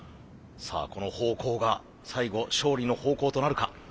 さあこの咆哮が最後勝利の咆哮となるか。